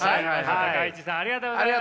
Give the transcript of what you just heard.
高市さんありがとうございました。